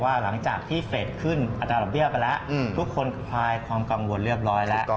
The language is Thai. อาจารย์ดับเบี้ยวไปแล้วทุกคนคลายความกังวลเรียบร้อยแล้ว